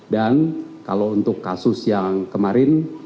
dan kalau untuk kasus yang kemarin